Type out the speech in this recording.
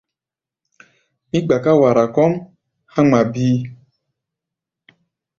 Mí gbaká wara kɔ́ʼm há̧ ŋma bíí.